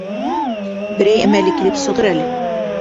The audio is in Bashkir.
Берәй әмәле килеп сығыр әле.